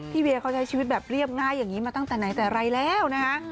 เวียเขาใช้ชีวิตแบบเรียบง่ายอย่างนี้มาตั้งแต่ไหนแต่ไรแล้วนะคะ